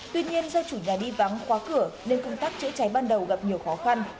tuy nhiên do chủ nhà đi vắng khóa cửa nên công tác chữa cháy ban đầu gặp nhiều khó khăn